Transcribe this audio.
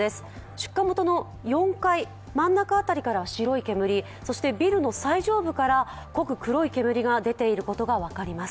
出火元の４階、真ん中辺りから白い煙ビルの最上部から濃く黒い煙が出ているのが分かります。